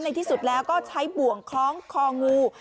ที่สุดแล้วก็ใช้บ่วงคล้องคองู